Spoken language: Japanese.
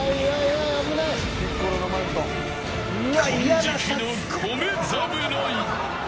金色の米侍。